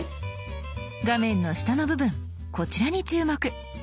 画面の下の部分こちらに注目。